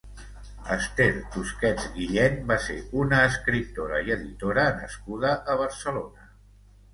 Esther Tusquets Guillén va ser una escriptora i editora nascuda a Barcelona.